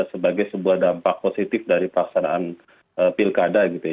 sebagai sebuah dampak positif dari pelaksanaan pilkada gitu ya